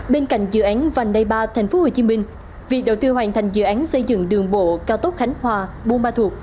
bên cạnh dự án và đại ba tp hcm việc đầu tư hoàn thành dự án xây dựng đường bộ cao tốc khánh hòa bu ma thuộc